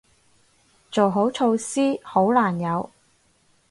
做好措施，好難有